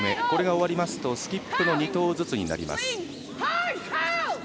これが終わりますとスキップの２投ずつになります。